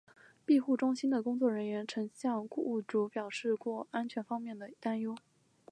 庇护中心的工作人员曾向雇主表示过安全方面的担忧。